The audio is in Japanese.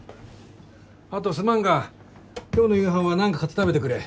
あとすまんが今日の夕飯は何か買って食べてくれ。